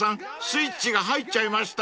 スイッチが入っちゃいましたね］